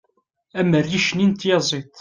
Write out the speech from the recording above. am rric-nni n tyaziḍt